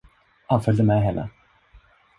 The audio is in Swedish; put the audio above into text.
Han följde med henne.